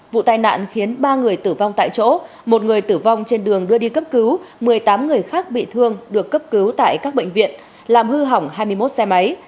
vụ tai nạn khiến ba người tử vong tại chỗ một người tử vong trên đường đưa đi cấp cứu một mươi tám người khác bị thương được cấp cứu tại các bệnh viện làm hư hỏng hai mươi một xe máy